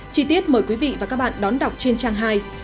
chí tiết mời quý vị và các bạn đón đọc trên trang hai